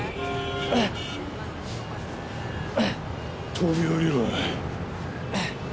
飛び降りろ。